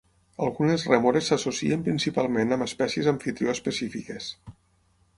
Algunes rèmores s'associen principalment amb espècies amfitrió específiques.